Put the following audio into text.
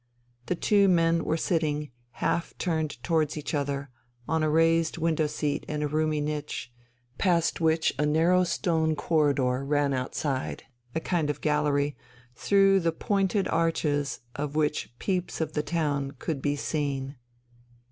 The two men were sitting, half turned towards each other, on a raised window seat in a roomy niche, past which a narrow stone corridor ran outside, a kind of gallery, through the pointed arches of which peeps of the town could be seen.